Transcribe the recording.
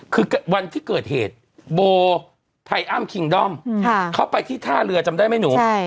คือวันที่เกิดเหตุโบไทยอ้ำคิงด้อมเข้าไปที่ท่าเรือจำได้ไหมหนู